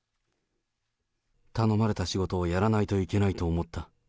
頼まれた仕事をやらないといけないと思った。